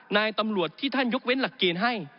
นายตำรวจที่ท่านยกเว้นหลักเกณฑ์ให้